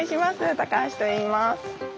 高橋といいます。